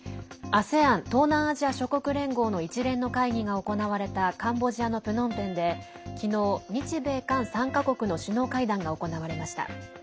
ＡＳＥＡＮ＝東南アジア諸国連合の一連の会議が行われたカンボジアのプノンペンで昨日日米韓３か国の首脳会談が行われました。